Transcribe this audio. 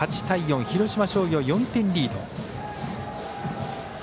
８対４、広島商業４点リード。